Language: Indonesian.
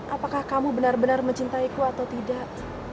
apakah kamu benar benar mencintaiku atau tidak